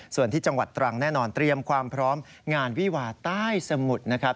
ส่วนที่จังหวัดตรังแน่นอนเตรียมความพร้อมงานวิวาใต้สมุทรนะครับ